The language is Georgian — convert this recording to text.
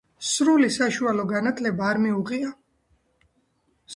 სრული საშუალო განათლება არ მიუღია.